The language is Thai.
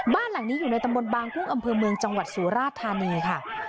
บ้านหลังนี้อยู่ในตำบลบางกุ้งอำเภอเมืองจังหวัดสุราธานีค่ะ